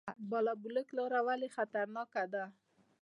بالابلوک لاره ولې خطرناکه ده؟